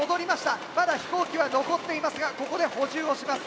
まだ飛行機は残っていますがここで補充をします。